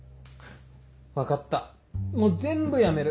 分かったもう全部やめる。